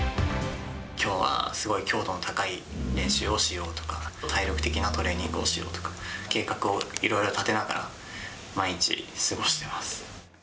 きょうはすごい強度の高い練習をしようとか、体力的なトレーニングをしようとか、計画をいろいろ立てながら、毎日過ごしてます。